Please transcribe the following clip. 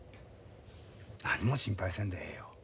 何も心配せんでええよ。